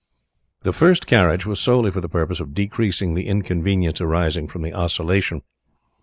The first carriage was solely for the purpose of decreasing the inconvenience arising from the oscillation.